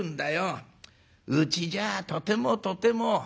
うちじゃあとてもとても。